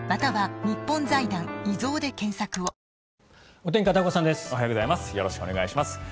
おはようございます。